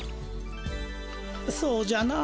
そうじゃな。